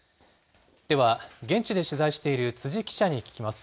では、現地で取材している辻記者に聞きます。